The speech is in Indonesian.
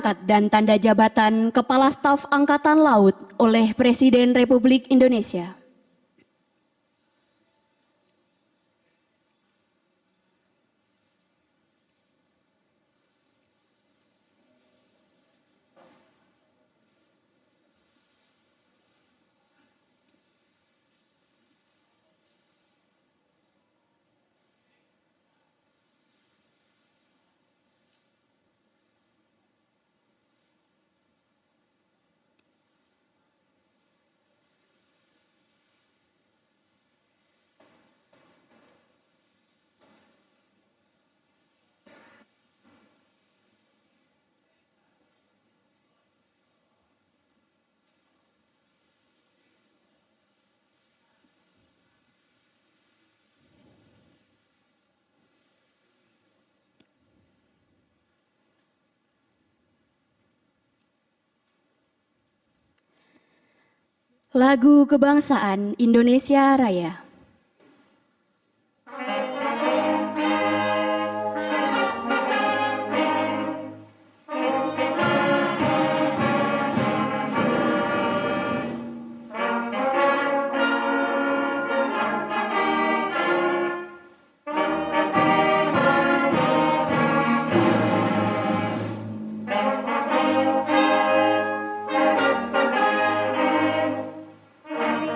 kedua keputusan presiden ini mulai berlaku pada tahun dua ribu dua puluh dua